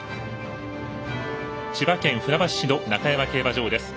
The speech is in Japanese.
千葉県船橋市の中山競馬場です。